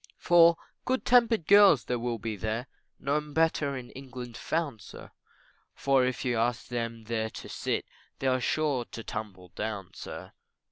For good tempered girls there will be there, No better in England found, sir, For if you ask them there to sit, They're sure to tumble down, sir.